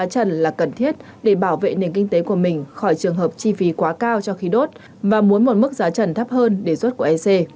trần là cần thiết để bảo vệ nền kinh tế của mình khỏi trường hợp chi phí quá cao cho khí đốt và muốn một mức giá trần thấp hơn đề xuất của ec